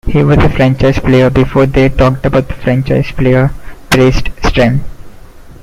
"He was a franchise player before they talked about franchise players", praised Stram.